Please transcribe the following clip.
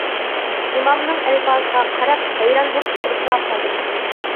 ئىمامنىڭ ئەلپازىغا قاراپ ھەيران بولۇپ تۇرۇپلا قالدىم.